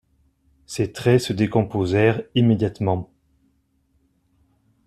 Ses traits se décomposèrent immédiatement.